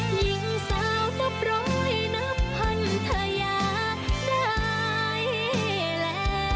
ยิ่งสาวจะปล่อยนับพันธยาได้แหละ